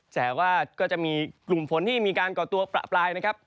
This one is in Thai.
แต่ว่าก็จะมีกลุ่มฝนที่มีการก่อตัวประปรายนะครับ